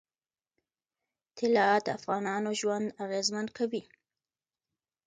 طلا د افغانانو ژوند اغېزمن کوي.